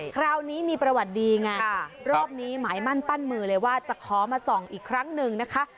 คราวนี้มีประวัติดีไงรอบนี้หมายมั่นปั้นมือเลยว่าจะขอมาส่องอีกครั้งหนึ่งนะคะ